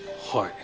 はい。